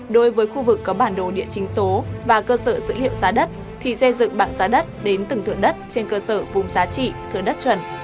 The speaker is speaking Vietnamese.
đối với khu vực có bản đồ địa chính số và cơ sở dữ liệu giá đất thì xây dựng bảng giá đất đến từng thượng đất trên cơ sở vùng giá trị thừa đất chuẩn